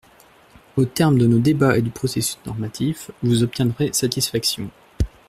Au terme de nos débats et du processus normatif, vous obtiendrez satisfaction.